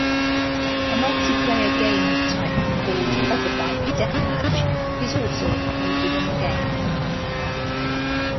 A multiplayer game type called Hoverbike deathmatch is also included in the game.